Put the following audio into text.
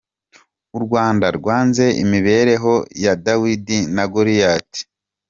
U Rwanda rwanze imibereho ya Dawidi na Goliyati.